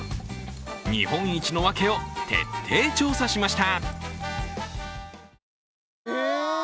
日本一のワケを徹底調査しました。